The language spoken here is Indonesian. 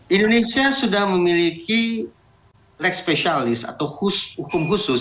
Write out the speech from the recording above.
indonesia sudah memiliki leg spesialis atau hukum khusus